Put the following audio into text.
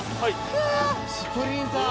スプリンター。